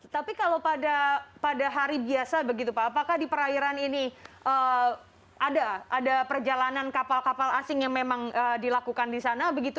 tapi kalau pada hari biasa begitu pak apakah di perairan ini ada perjalanan kapal kapal asing yang memang dilakukan di sana begitu